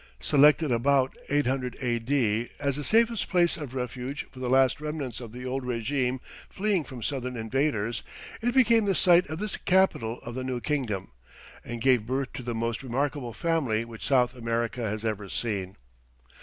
Selected about 800 A.D. as the safest place of refuge for the last remnants of the old régime fleeing from southern invaders, it became the site of the capital of a new kingdom, and gave birth to the most remarkable family which South America has ever seen.